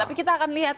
tapi kita akan lihat